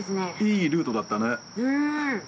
◆いいルートだったね。